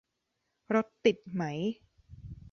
รถติดไหม